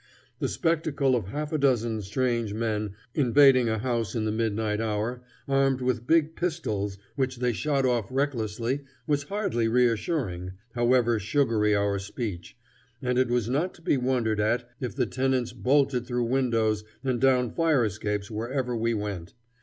The spectacle of half a dozen strange men invading a house in the midnight hour armed with big pistols which they shot off recklessly was hardly reassuring, however sugary our speech, and it was not to be wondered at if the tenants bolted through windows and down fire escapes wherever we went.